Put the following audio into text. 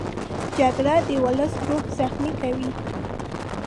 جګړه د ولس روح زخمي کوي